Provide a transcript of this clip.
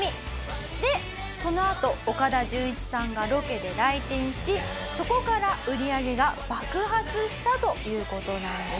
でそのあと岡田准一さんがロケで来店しそこから売り上げが爆発したという事なんです。